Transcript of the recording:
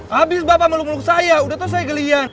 habis bapak meluk meluk saya udah tuh saya gelian